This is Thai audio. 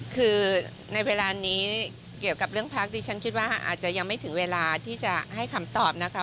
คือในเวลานี้เกี่ยวกับเรื่องพักดิฉันคิดว่าอาจจะยังไม่ถึงเวลาที่จะให้คำตอบนะคะ